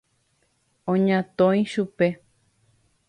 Oñatõi chupe.